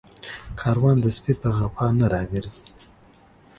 کاروان د سپي په غپا نه راگرځي